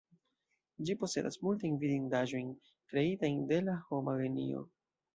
Ĝi posedas multajn vidindaĵojn, kreitajn de la homa genio.